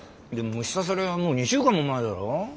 でも虫刺されはもう２週間も前だろ？